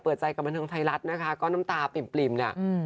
เปิดใจกับบรรทางไทยรัฐนะคะก็น้ำตาปลิ่มปลิ่มน่ะอืม